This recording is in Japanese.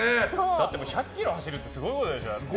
だって１００ｋｍ走るってすごいことでしょ。